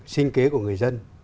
sinh kế của người dân